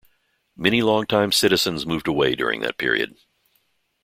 Many long-time citizens moved away during that period.